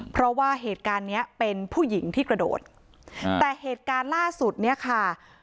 เพราะว่าเหตุการณ์เนี้ยเป็นผู้หญิงที่กระโดดอ่าแต่เหตุการณ์ล่าสุดเนี้ยค่ะ